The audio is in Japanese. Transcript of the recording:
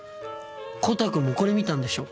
コタくんもこれ見たんでしょ？